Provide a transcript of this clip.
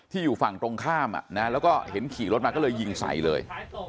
อยู่ฝั่งตรงข้ามแล้วก็เห็นขี่รถมาก็เลยยิงใส่เลย